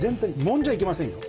もんじゃいけませんよ。